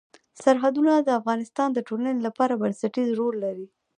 سرحدونه د افغانستان د ټولنې لپاره بنسټيز رول لري.